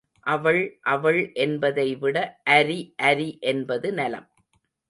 அவள் அவள் என்பதைவிட அரி அரி என்பது நலம்.